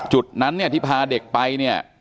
จุดนั้นที่พาเด็กไป